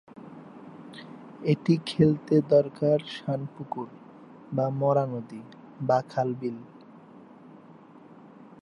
এটি খেলতে দরকার শান- পুকুর বা মরা নদী বা খাল-বিল।